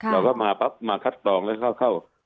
แล้วก็มาปั๊บมาคัดตรองแล้วเข้า